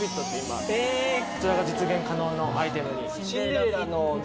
こちらが実現可能のアイテムに。